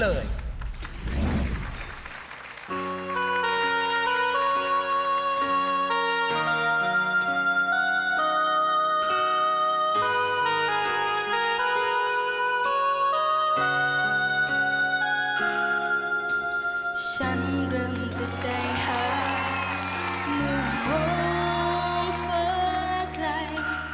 เที่ยวจะดูไฟ้าใกล้